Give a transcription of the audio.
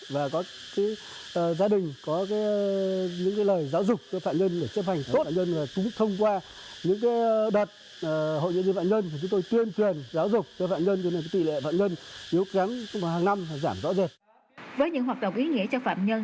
với những hoạt động ý nghĩa cho phạm nhân